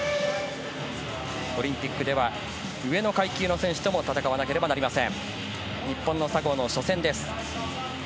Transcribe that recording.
オリンピックでは上の階級の選手とも戦わなければなりません。